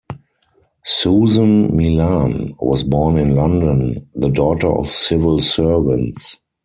Susan Milan was born in London, the daughter of civil servants.